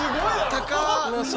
高っ！